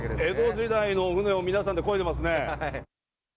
江戸時代の舟を皆さんでこいでますね。